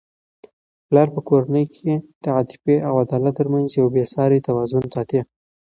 پلار په کورنی کي د عاطفې او عدالت ترمنځ یو بې سارې توازن ساتي.